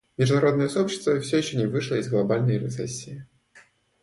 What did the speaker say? Международное сообщество все еще не вышло из глобальной рецессии.